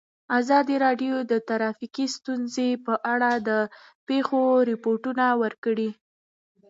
ازادي راډیو د ټرافیکي ستونزې په اړه د پېښو رپوټونه ورکړي.